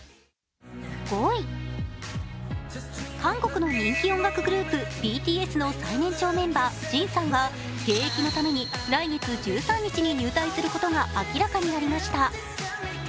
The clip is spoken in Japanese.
５位、韓国の人気音楽グループＢＴＳの最年長メンバー・ＪＩＮさんが兵役のために来月１３日に入隊することが明らかになりました。